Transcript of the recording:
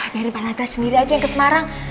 biarin pak nagras sendiri aja yang ke semarang